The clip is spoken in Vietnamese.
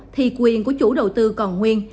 thì quyền của chủ đầu tư còn nguyên